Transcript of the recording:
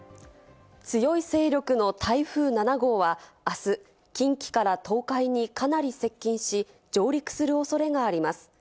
強い勢力の台風７号は、あす近畿から東海にかなり接近し、上陸するおそれがあります。